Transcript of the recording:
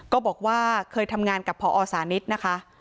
บอกว่าเคยทำงานกับพอสานิทนะคะ